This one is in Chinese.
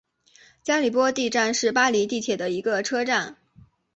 加里波第站是巴黎地铁的一个车站。